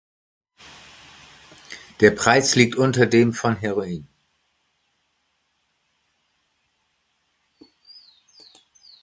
Der Preis liegt unter dem von Heroin.